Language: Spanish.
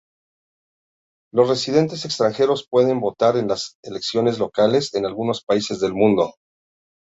Los residentes extranjeros pueden votar en las "elecciones locales" en algunos países del mundo.